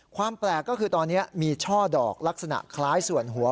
ความแปลกก็คือตอนนี้มีช่อดอกลักษณะคล้ายส่วนหัว